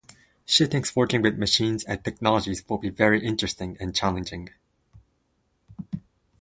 She thinks working with machines and technologies will be very interesting and challenging.